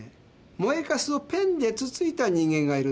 燃えかすをペンでつついた人間がいるんです。